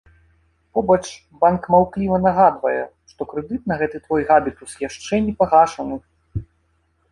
Побач банк маўкліва нагадвае, што крэдыт за гэты твой габітус яшчэ не пагашаны.